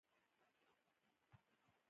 دوی به یو وحشي حیوان په ګډه مړه کاوه.